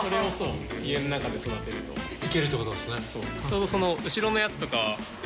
ちょうどその後ろのやつとかはかなり。